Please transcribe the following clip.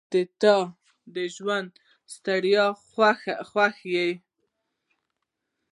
• ته د ژونده ستره خوښي یې.